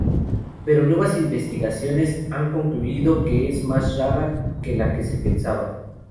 Pero nuevas investigaciones han concluido que es más rara que lo que se pensaba.